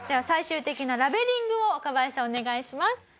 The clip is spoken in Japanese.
最終的なラベリングを若林さんお願いします。